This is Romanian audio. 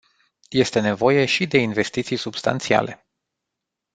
Este nevoie și de investiții substanțiale.